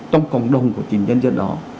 trong cộng đồng của chính nhân dân đó